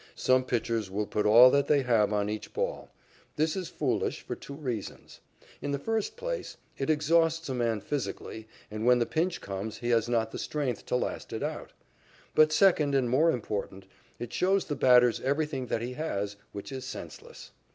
Some pitchers will put all that they have on each ball. This is foolish for two reasons. In the first place, it exhausts the man physically and, when the pinch comes, he has not the strength to last it out. But second and more important, it shows the batters everything that he has, which is senseless.